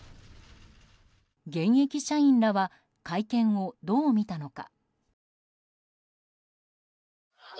現役社員らは会見をどう見たのか。